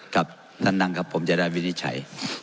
ครับท่านนั่งครับผมจะได้วินิจฉัย